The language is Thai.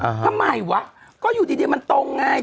ทำไมวะก็อยู่ดีมันตรงไง